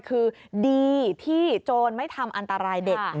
คือดีที่โจรไม่ทำอันตรายเด็ก